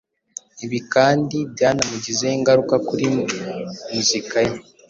Ibi kandi byanamugizeho ingaruka kuri muzika ye